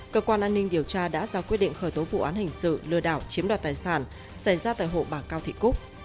cơ quan an ninh điều tra đã ra quyết định khởi tố vụ án hình sự lừa đảo chiếm đoạt tài sản xảy ra tại hộ bà cao thị cúc